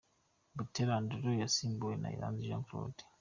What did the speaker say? Buteera Andrew yasimbuwe na Iranzi Jean Claude.